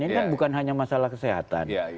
ini kan bukan hanya masalah kesehatan